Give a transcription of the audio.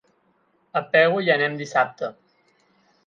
A Pego hi anem dissabte.